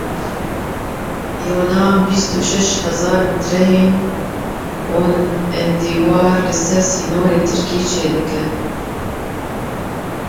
Yûnan bîst û şeş hezar metreyên din ên dîwar li ser sînorê Tirkiyeyê çêdike.